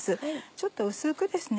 ちょっと薄くですね